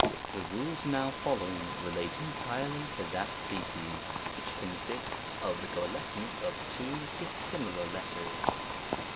47' THE rules now following relate entirely Jo that species, which consists of the coalescence of two dissimilar letters.